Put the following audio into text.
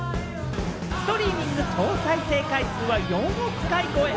ストリーミング総再生回数は４億回超え。